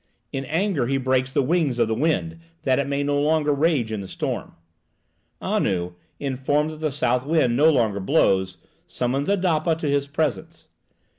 In anger he breaks the wings of the wind, that it may no longer rage in the storm. Anu, informed that the south wind no longer blows, summons Adapa to his presence.